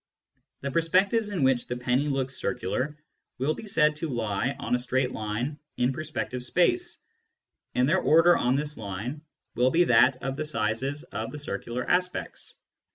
The perspectives in which the penny looks circular will be said to lie on a straight line in perspective space, and their order on this line will be that of the sizes of the circular aspects.